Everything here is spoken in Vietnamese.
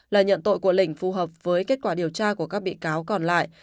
lời nhận tội của lình phù hợp với kết quả điều tra của các bị cáo còn lại